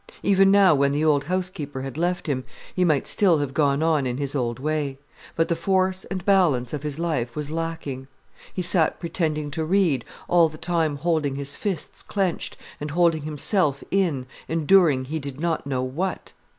Even now, when the old housekeeper had left him, he might still have gone on in his old way. But the force and balance of his life was lacking. He sat pretending to read, all the time holding his fists clenched, and holding himself in, enduring he did not know what.